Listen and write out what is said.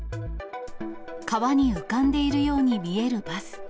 川に浮かんでいるように見えるバス。